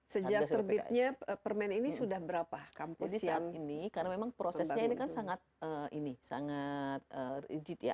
sejak terbitnya permen ini sudah berapa kampus saat ini karena memang prosesnya ini kan sangat ini sangat rigid ya